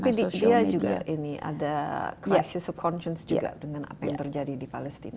tapi di india juga ada klases of conscience juga dengan apa yang terjadi di palestina